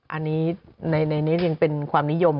อันนี้ในนี้ยังเป็นความนิยม